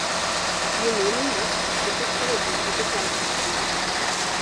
Wir nehmen das zu Protokoll, was Sie gesagt haben.